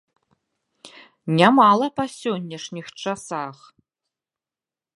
Нямала па сённяшніх часах.